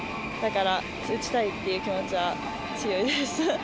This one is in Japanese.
だから、打ちたいっていう気持ちが強いです。